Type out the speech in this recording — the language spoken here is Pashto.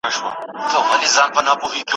اوس یې پر پېچومو د کاروان حماسه ولیکه